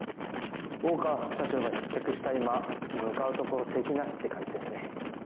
大川副社長が失脚した今向かう所敵なしって感じですね。